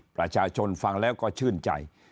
ประชาชนฟังแล้วก็ชื่นใจ